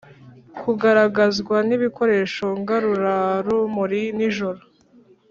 kugaragazwa n'ibikoresho ngarurarumuri nijoro